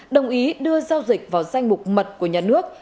đồng ý đưa giao dịch vào danh mục mật của nhà nước